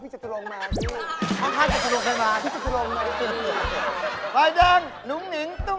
ใช่